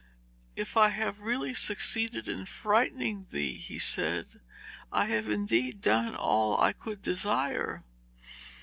'If I have really succeeded in frightening thee,' he said, 'I have indeed done all I could desire.'